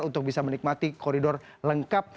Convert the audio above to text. untuk bisa menikmati koridor lengkap